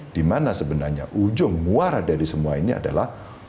di mana sebenarnya ujung muara dari semua ini adalah